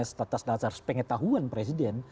status dasar pengetahuan presiden